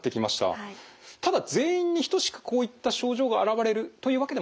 ただ全員に等しくこういった症状が現れるというわけでもない？